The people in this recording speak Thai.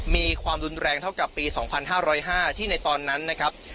มีความดุนแรงเท่ากับปีสองพันห้าร้อยห้าที่ในตอนนั้นนะครับ